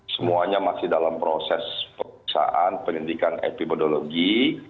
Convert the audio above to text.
semuanya masih dalam proses periksaan penyelidikan epidemiologi